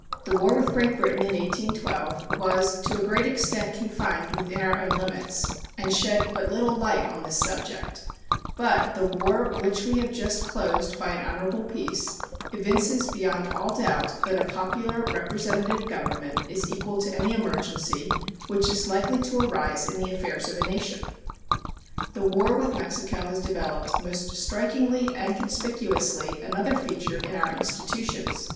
The war with Great Britain in 1812 was to a great extent confined within our own limits, and shed but little light on this subject; but the war which we have just closed by an honorable peace evinces beyond all doubt that a popular representative government is equal to any emergency which is likely to arise in the affairs of a nation. The war with Mexico has developed most strikingly and conspicuously another feature in our institutions.